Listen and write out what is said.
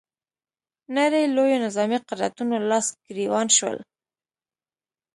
نړۍ لویو نظامي قدرتونو لاس ګرېوان شول